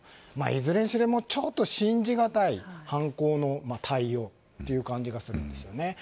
いずれにしても信じがたい犯行の対応という感じがするんですよね。